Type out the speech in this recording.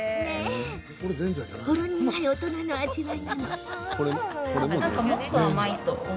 ほろ苦い大人の味わい。